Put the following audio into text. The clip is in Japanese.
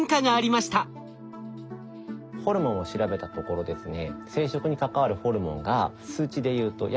ホルモンを調べたところですね